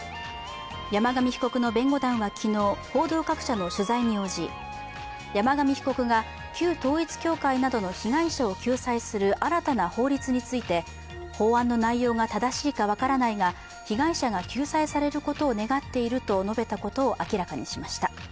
山上被告の弁護団は昨日、報道各社の取材に応じ、山上被告が旧統一教会などの被害者を救済する新たな法律について、法案の内容が正しいか分からないが被害者が救済されることを願っていると述べたことを明らかにしました。